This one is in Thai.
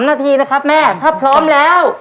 นาทีนะครับแม่ถ้าพร้อมแล้ว